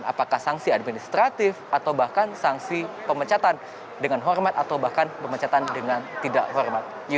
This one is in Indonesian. apakah sanksi administratif atau bahkan sanksi pemecatan dengan hormat atau bahkan pemecatan dengan tidak hormat